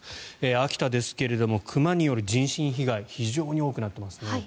秋田ですが、熊による人身被害非常に多くなっていますね。